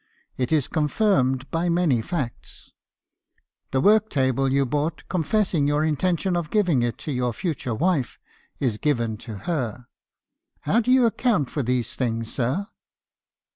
It is confirmed by many facts. The work table you bought, confessing your intention of giving it to your future wife, is given to her. How do you account for these things , sir?